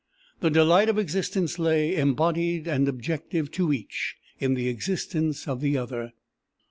The delight of existence lay, embodied and objective to each, in the existence of the other.